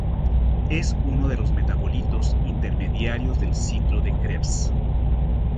Es uno de los metabolitos intermediarios del ciclo de Krebs.